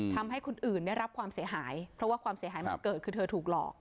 เพราะว่าความเสียหายมันเกิดคือเธอถูกหลอก